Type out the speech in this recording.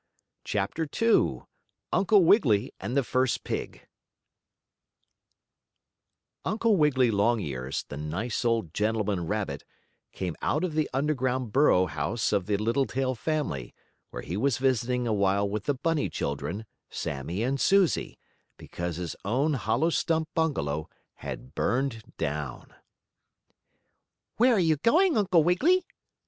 CHAPTER II UNCLE WIGGILY AND THE FIRST PIG Uncle Wiggily Longears, the nice old gentleman rabbit, came out of the underground burrow house of the Littletail family, where he was visiting a while with the bunny children, Sammie and Susie, because his own hollow stump bungalow had burned down. "Where are you going, Uncle Wiggily?"